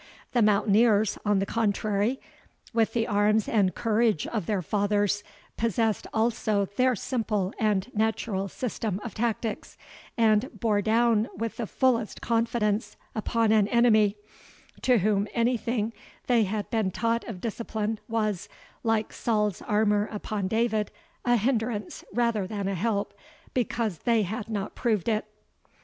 The mountaineers, on the contrary, with the arms and courage of their fathers, possessed also their simple and natural system of tactics, and bore down with the fullest confidence upon an enemy, to whom anything they had been taught of discipline was, like Saul's armour upon David, a hinderance rather than a help, "because they had not proved it."